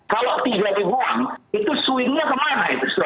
kalau tiga dibuang itu swingnya kemana